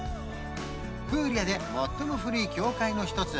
プーリアで最も古い教会の一つ